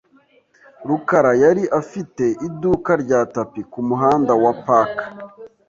rukara yari afite iduka rya tapi kumuhanda wa Park .